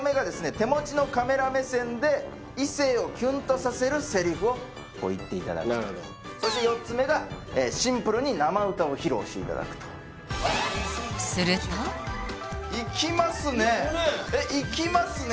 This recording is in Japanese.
手持ちのカメラ目線で異性をキュンとさせるセリフを言っていただくとそして４つ目がシンプルに生歌を披露していただくといきますねいきますね